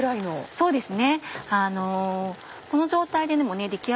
そうですね。